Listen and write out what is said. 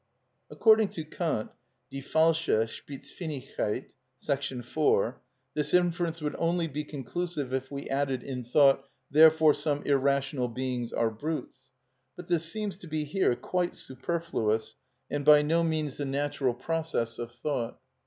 According to Kant (Die Falsche Spitzfinigkeit, § 4) this inference would only be conclusive if we added in thought: "Therefore some irrational beings are brutes." But this seems to be here quite superfluous and by no means the natural process of thought.